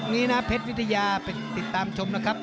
นี้นะเพชรวิทยาไปติดตามชมนะครับ